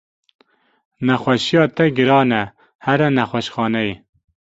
Nexweşiya te giran e here nexweşxaneyê.